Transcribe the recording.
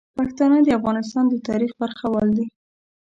پښتانه د افغانستان د تاریخ برخوال دي.